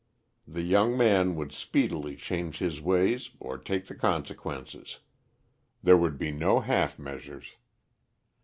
The young man would speedily change his ways or take the consequences. There would be no half measures.